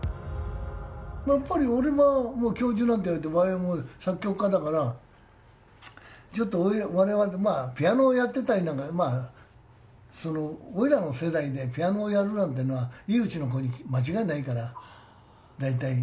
やっぱり俺は教授なんていわれてＹＭＯで作曲家だからちょっと我々とピアノやってておいらの世代でピアノやるなんていうのはいい家の子に間違いないから大体。